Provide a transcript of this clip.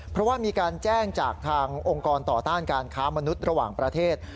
เพราะว่ามีการแจ้งจากทางองค์กรต่อต้านการค้ามนุษย์ระหว่างประเทศ